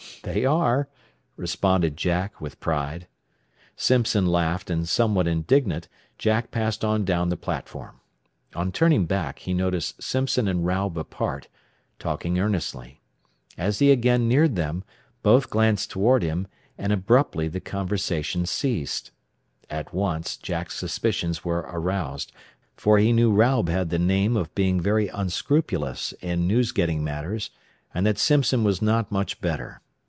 "They are," responded Jack, with pride. Simpson laughed, and, somewhat indignant, Jack passed on down the platform. On turning back, he noticed Simpson and Raub apart, talking earnestly. As he again neared them, both glanced toward him, and abruptly the conversation ceased. At once Jack's suspicions were aroused, for he knew Raub had the name of being very unscrupulous in news getting matters, and that Simpson was not much better.